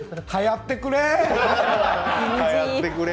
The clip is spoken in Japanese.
はやってくれ！